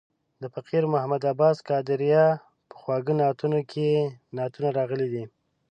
د فقیر محمد عباس قادریه په خواږه نعتونه کې یې نعتونه راغلي دي.